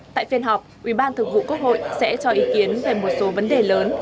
tại phiên họp ủy ban thường vụ quốc hội sẽ cho ý kiến về một số vấn đề lớn